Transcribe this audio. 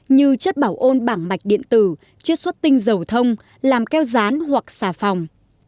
như chất bảo ôn bảng mạch điện tử chất xuất tinh dầu thông làm keo rán hoặc xà phòng